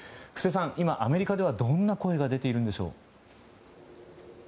布施さん、今、アメリカではどんな声が出ているんでしょう？